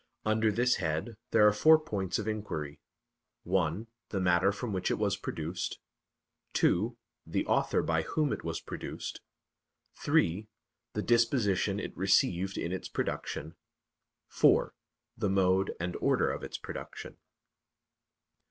Under this head there are four points of inquiry: (1) The matter from which it was produced; (2) The author by whom it was produced; (3) The disposition it received in its production; (4) The mode and order of its production.